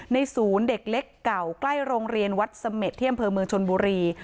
ศูนย์เด็กเล็กเก่าใกล้โรงเรียนวัดเสม็ดที่อำเภอเมืองชนบุรี